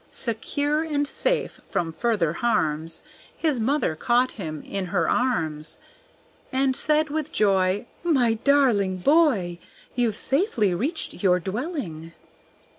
Secure and safe from further harms, His mother caught him in her arms, And said with joy, "My darling boy, You've safely reached your dwelling."